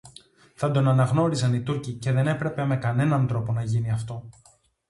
Θα τον αναγνώριζαν οι Τούρκοι, και δεν έπρεπε με κανένα τρόπο να γίνει αυτό